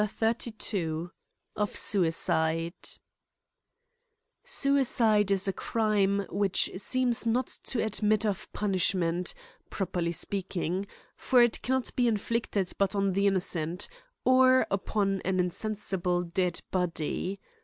XXXIL Of Suicide, SUICIDE is a crime which seems not to ad* mit of punishment, properly speaking ; for it can not be inflicted but on the innocent, or upon an insensible dead body.